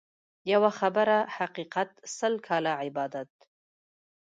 يوه خبره حقيقت ، سل کاله عبادت.